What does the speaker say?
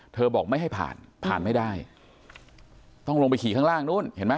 บอกไม่ให้ผ่านผ่านไม่ได้ต้องลงไปขี่ข้างล่างนู้นเห็นไหม